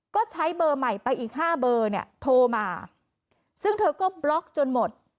ก็ใช้เบอร์ใหม่ไปอีกห้าเบอร์เนี่ยโทรมาซึ่งเธอก็บล็อกจนหมด